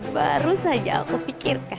baru saja aku pikirkan